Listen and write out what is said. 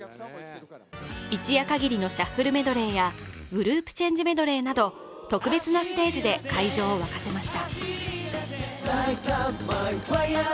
一夜限りのシャッフルメドレーやグループチェンジメドレーなど特別なステージで会場を沸かせました。